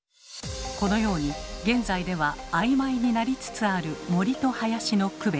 このように現在では曖昧になりつつある森と林の区別。